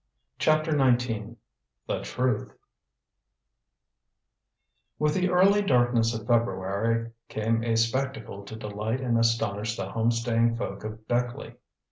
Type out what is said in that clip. CHAPTER XIX THE TRUTH With the early darkness of February came a spectacle to delight and astonish the home staying folk of Beckleigh.